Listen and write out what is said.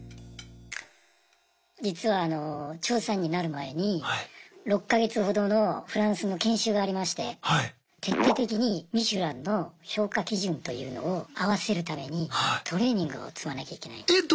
実はあの調査員になる前に６か月ほどのフランスの研修がありまして徹底的にミシュランの評価基準というのを合わせるためにトレーニングを積まなきゃいけない。